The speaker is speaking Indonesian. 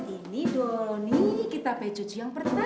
ini doni kita pake cucu yang pertama